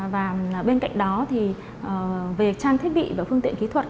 và bên cạnh đó thì về trang thiết bị và phương tiện kỹ thuật